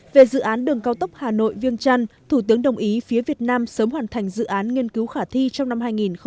về dự án đường cao tốc hà nội viêng trăn thủ tướng đồng ý phía việt nam sớm hoàn thành dự án nghiên cứu khả thi trong năm hai nghìn hai mươi